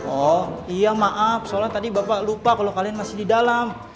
oh iya maaf soalnya tadi bapak lupa kalau kalian masih di dalam